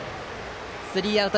スリーアウト。